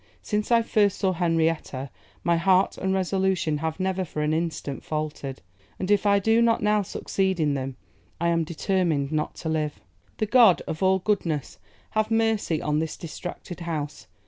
Since I first saw Henrietta, my heart and resolution have never for an instant faltered; and if I do not now succeed in them I am determined not to live.' 'The God of all goodness have mercy on this distracted house!